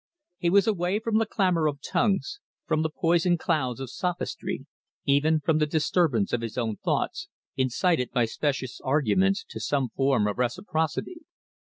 He was away from the clamour of tongues, from the poisoned clouds of sophistry, even from the disturbance of his own thoughts, incited by specious arguments to some form of reciprocity.